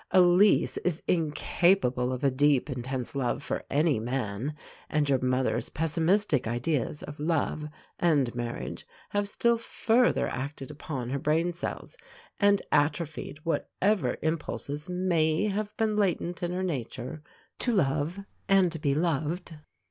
Elise is incapable of a deep, intense love for any man, and your mother's pessimistic ideas of love and marriage have still further acted upon her brain cells and atrophied whatever impulses may have been latent in her nature, to love and be loved.